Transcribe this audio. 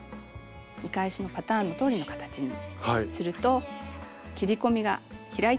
見返しのパターンのとおりの形にすると切り込みが開いてくれます。